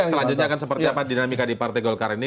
selanjutnya akan seperti apa dinamika di partai golkar ini